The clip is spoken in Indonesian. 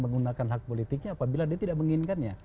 menggunakan hak politiknya apabila dia tidak menginginkannya